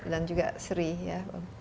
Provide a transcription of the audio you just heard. dan juga seri ya